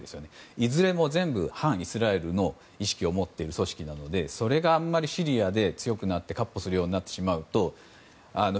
いずれも全部、反イスラエルの意識を持っている組織なのでそれがあまりシリアで強くなって闊歩するようになってしまうと。